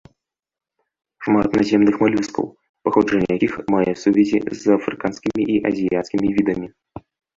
Шмат наземных малюскаў, паходжанне якіх мае сувязі з афрыканскімі і азіяцкімі відамі.